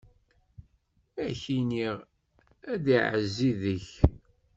Ad k-ineɣ, ad iɛezzi deg-k!